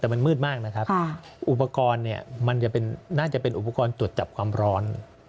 แต่มันมืดมากนะครับอุปกรณ์เนี่ยมันน่าจะเป็นอุปกรณ์ตรวจจับความร้อน